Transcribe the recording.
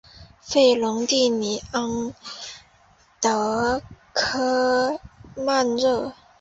弗龙蒂尼昂德科曼热。